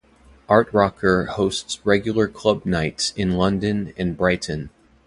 Artrocker hosts regular club nights in London and Brighton.